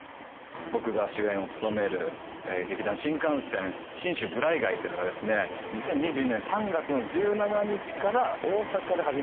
僕が主演を務める劇団☆新感線『神州無頼街』というのが２０２２年３月の１７日から大阪で始まります。